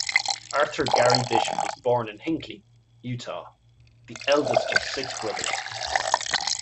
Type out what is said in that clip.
Arthur Gary Bishop was born in Hinckley, Utah, the eldest of six brothers.